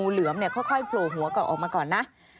เหลือมค่อยโผล่หัวกลับออกมาก่อนนะ